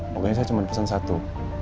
pokoknya saya cuma pesan satu